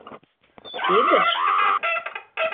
— Підеш?